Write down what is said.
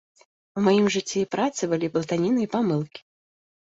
У маім жыцці і працы былі блытаніна і памылкі.